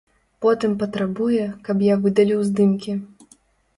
Потым патрабуе, каб я выдаліў здымкі.